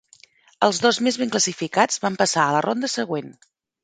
El dos més ben classificats van passar a la ronda següent.